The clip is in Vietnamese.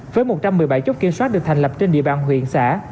với một trăm một mươi bảy chốt kiểm soát được thành lập trên địa bàn huyện xã